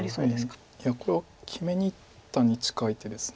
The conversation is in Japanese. これは決めにいったに近い手です。